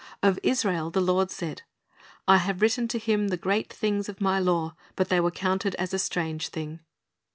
Of Israel the Lord said, "I have written to him the great things of My law; but they were counted as a strange thing."'